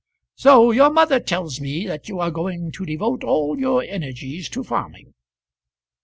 "So your mother tells me that you are going to devote all your energies to farming."